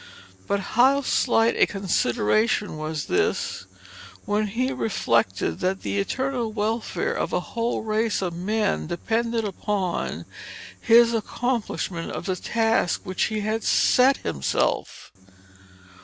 But how slight a consideration was this, when he reflected that the eternal welfare of a whole race of men depended upon his accomplishment of the task which he had set himself!